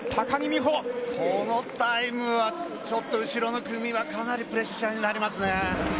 このタイムは後ろの組はかなりプレッシャーになりますね。